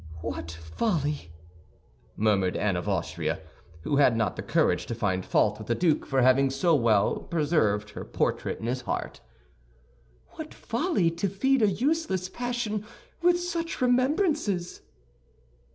"What folly," murmured Anne of Austria, who had not the courage to find fault with the duke for having so well preserved her portrait in his heart, "what folly to feed a useless passion with such remembrances!"